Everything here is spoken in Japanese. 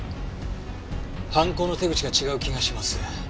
犯行の手口が違う気がします。